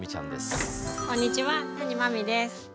こんにちは谷真海です。